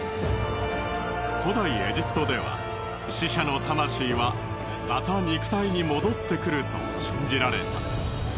古代エジプトでは死者の魂はまた肉体に戻ってくると信じられた。